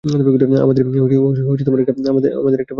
আমাদের একটা ফাইল আছে।